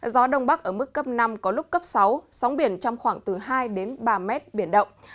gió đông bắc ở mức cấp năm có lúc cấp sáu sóng biển trong khoảng từ hai đến ba mét biển động